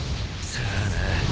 ・さあな。